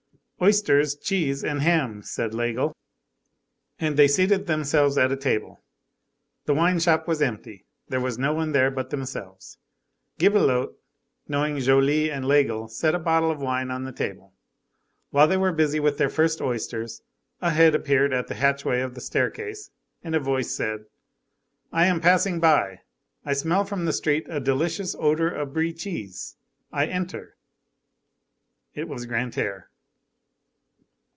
"Oysters, cheese, and ham," said Laigle. And they seated themselves at a table. The wine shop was empty; there was no one there but themselves. Gibelotte, knowing Joly and Laigle, set a bottle of wine on the table. While they were busy with their first oysters, a head appeared at the hatchway of the staircase, and a voice said:— "I am passing by. I smell from the street a delicious odor of Brie cheese. I enter." It was Grantaire.